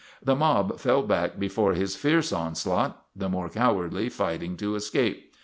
The mob fell back before his fierce onslaught, the more cowardly fighting to escape.